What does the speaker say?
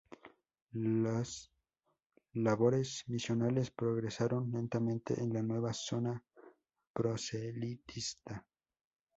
Las labores misionales progresaron lentamente en la nueva zona proselitista.